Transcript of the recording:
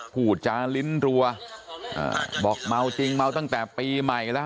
พูดจาลิ้นรัวบอกเมาจริงเมาตั้งแต่ปีใหม่แล้ว